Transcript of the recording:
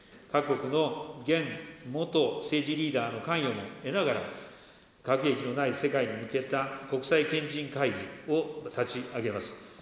各国の現、元政治リーダーの関与も得ながら、核兵器のない世界に向けた国際賢人会議を立ち上げます。